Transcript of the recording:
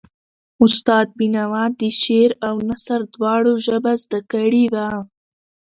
استاد بینوا د شعر او نثر دواړو ژبه زده کړې وه.